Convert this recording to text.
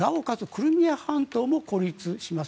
クリミア半島も孤立します。